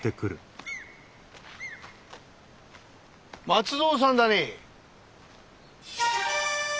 松蔵さんだね？